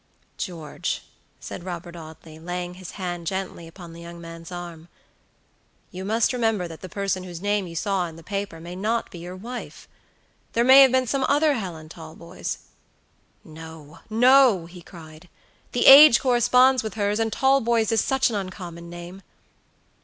"George," said Robert Audley, laying his hand gently upon the young man's arm, "you must remember that the person whose name you saw in the paper may not be your wife. There may have been some other Helen Talboys." "No, no!" he cried; "the age corresponds with hers, and Talboys is such an uncommon name."